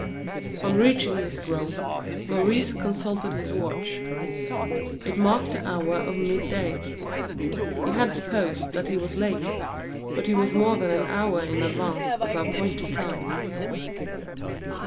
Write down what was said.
On reaching this grove, Maurice consulted his watch. It marked the hour of mid day. He had supposed that he was late, but he was more than an hour in advance of the appointed time.